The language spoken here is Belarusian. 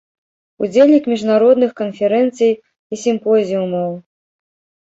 Удзельнік міжнародных канферэнцый і сімпозіумаў.